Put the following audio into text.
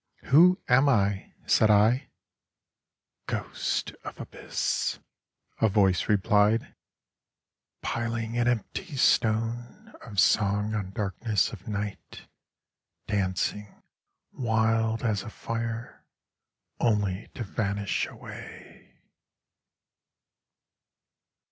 " Who am I ?" said I. *' Ghost of abyss,'* a Voice replied, " Piling an empty stone of song on darkness of night, Dancing wild as a fire, only to vanish away."